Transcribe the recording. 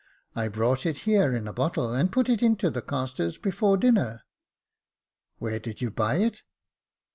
" I brought it here in a bottle, and put it into the castors before dinner." " Where did you buy it